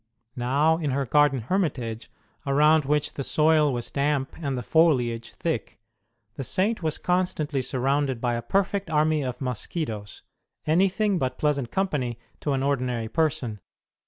Now, in her garden hermitage, around which the soil was damp and the foliage thick, the Saint was con stantly surrounded by a perfect army of mosquitoes anything but pleasant company to an ordinary person